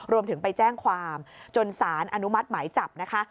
รวมถึงไปแจ้งความจนสารอนุมัติหมายจับนะคะ